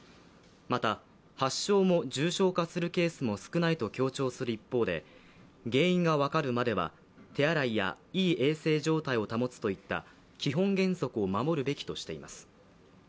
また、発症も重症化するケースも少ないと強調する一方で、原因が分かるまでは手洗いやいい衛生状態を保つといった基本原則を守るべきとしています。